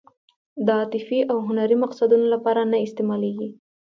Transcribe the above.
د عاطفي او هنري مقصدونو لپاره نه استعمالېږي.